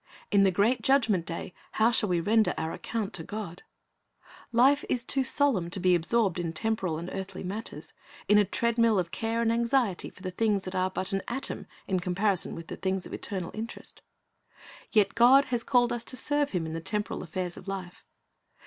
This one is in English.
In the great Judgment day, how shall we render our account to God } Life is too solemn to be absorbed in temporal and earthly matters, in a treadmill of care and anxiety for the things that are but an atom in comparison with the things of eternal interest. Yet God has called us to serve Him in the temporal affairs of life.